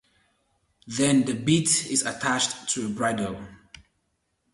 Then the bit is attached to a bridle.